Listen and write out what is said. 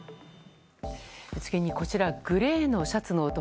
こちら、グレーのシャツの男。